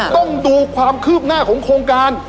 ต้องดูความคืบหน้าของโครงการ